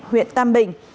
huyện tam bình